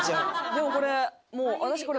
でもこれ。